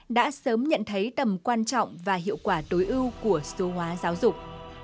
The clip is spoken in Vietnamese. đã sớm nhận thấy tầm quan trọng và hiệu quả tối ưu của số hóa giáo dục